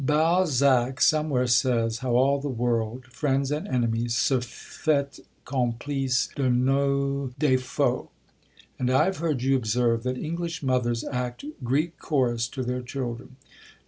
Balzac somewhere says how all the world, friends and enemies, se fait complice de nos défauts. And I have heard you observe that English mothers act Greek chorus to their children.